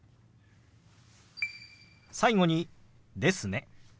最後に「ですね」。